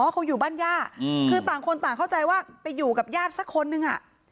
เขาอยู่บ้านย่าคือต่างคนต่างเข้าใจว่าไปอยู่กับญาติสักคนนึง